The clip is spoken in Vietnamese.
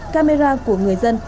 camera của người dân